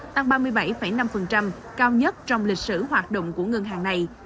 tăng ba mươi bảy năm cao nhất trong lịch sử hoạt động của ngân hàng này